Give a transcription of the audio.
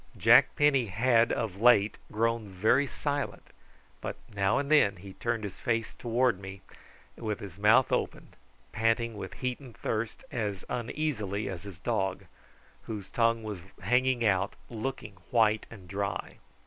Jack Penny had of late grown very silent, but now and then he turned his face towards me with his mouth open, panting with heat and thirst, as uneasily as his dog, whose tongue was hanging out looking white and dry.